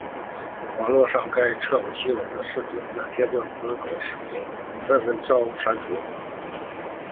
网路上该则新闻的视频片段与恶搞视频纷纷遭删除。